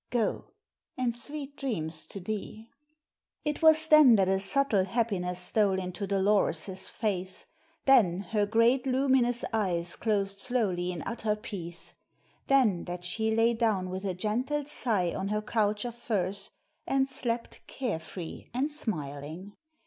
Go, and sweet dreams to thee." It was then that a subtle happiness stole into Dolores's face; then her great luminous eyes closed slowly in utter peace; then that she lay down with a gentle sigh on her couch of furs and slept care free and smiling.